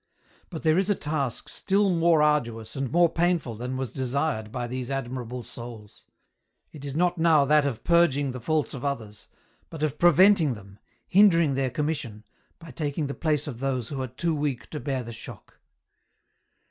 But there is a task still more arduous and more painful than was desired by these admirable souls. It is not now that of purging the faults of others, but of preventing them, hindering their commission, by taking the place of those who are too weak to bear the shock.